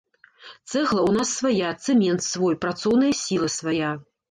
Цэгла ў нас свая, цэмент свой, працоўная сіла свая.